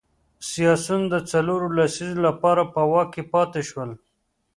سیاسیون د څلورو لسیزو لپاره په واک کې پاتې شول.